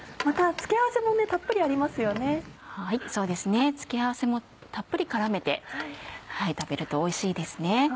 付け合わせもたっぷり絡めて食べるとおいしいですね。